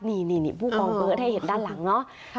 นี่ผู้กองเบิร์ตให้เห็นด้านหลังเนาะ